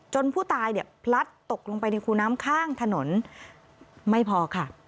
ผู้ตายเนี่ยพลัดตกลงไปในคูน้ำข้างถนนไม่พอค่ะ